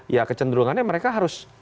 ya kecenderungannya mereka harus